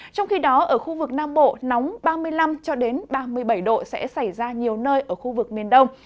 trong khi đó ở khu vực nam bộ nóng ba mươi năm ba mươi bảy độ sẽ xảy ra nhiều nơi ở khu vực miền đông